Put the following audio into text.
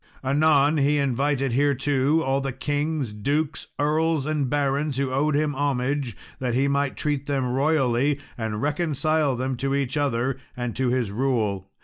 Anon he invited thereto all the kings, dukes, earls, and barons, who owed him homage, that he might treat them royally, and reconcile them to each other, and to his rule.